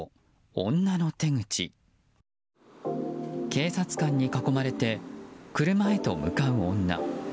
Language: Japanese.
警察官に囲まれて車へと向かう女。